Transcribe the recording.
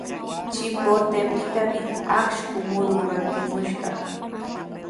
Chimbotepitami akshu muru rantimushaq.